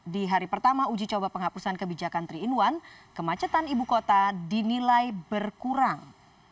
di hari pertama uji coba penghapusan kebijakan tiga in satu kemacetan ibu kota dinilai berkurang